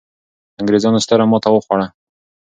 انګرېزانو ستره ماته وخوړه.